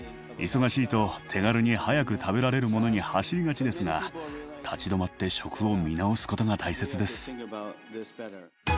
忙しいと手軽に早く食べられるものに走りがちですが立ち止まって食を見直すことが大切です。